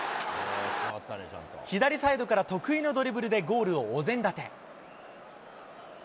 左サイドから得意のドリブルでゴールをお膳立て。